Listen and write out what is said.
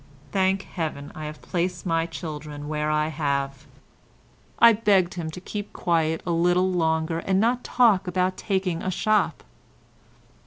Thank heaven I have placed my children where I have." I begged him to keep quiet a little longer and not talk about taking a shop.